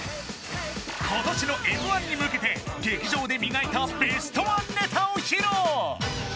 今年のＭ−１に向けて劇場で磨いたベストワンネタを披露！